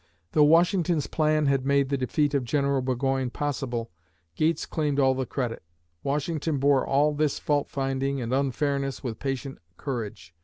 Though Washington's plan had made the defeat of General Burgoyne possible, Gates claimed all the credit. Washington bore all this fault finding and unfairness with patient courage.